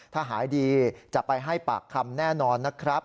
ถ้าหายดีจะไปให้ปากคำแน่นอนนะครับ